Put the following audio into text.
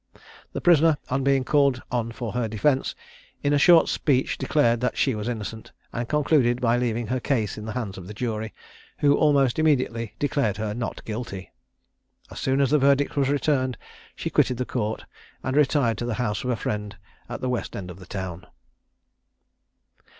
The prisoner, on being called on for her defence, in a short speech declared that she was innocent, and concluded by leaving her case in the hands of the jury, who almost immediately declared her not guilty. As soon as the verdict was returned, she quitted the Court, and retired to the house of a friend at the west end of the town.